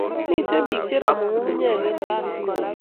miten pik che ramu ngungunyek en ainet